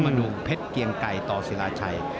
นูมเพชรเกียงไก่ต่อศิลาชัย